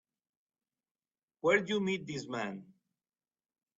Where'd you meet this man?